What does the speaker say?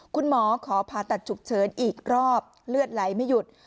คุณหมอขอผ่าตัดฉุกเฉินอีกรอบเลือดไหลไม่หยุด